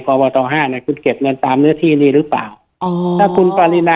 พบตห้าเนี่ยคุณเก็บเงินตามเนื้อที่นี่หรือเปล่าอ๋อถ้าคุณปรินา